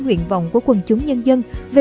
nguyện vọng của quần chúng nhân dân về